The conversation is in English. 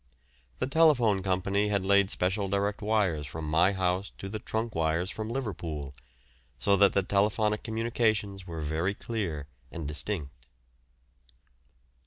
The Telephone Company had laid special direct wires from my house to the trunk wires from Liverpool, so that the telephonic communications were very clear and distinct.